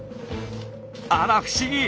あら不思議！